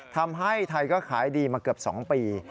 ทำให้ไทยก็ขายดีมาเกือบ๒ปี